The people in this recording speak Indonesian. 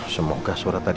semoga suratnya gak ada